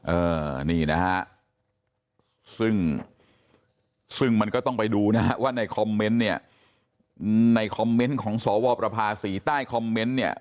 เออนี่นะฮะซึ่งมันก็ต้องไปดูนะฮะว่าในคอมเม้นจ์ของสวปรภาศีใต้คอมเม้นจ์เนี่ย